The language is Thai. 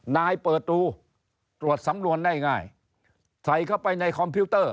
นายเปิดดูตรวจสำนวนได้ง่ายใส่เข้าไปในคอมพิวเตอร์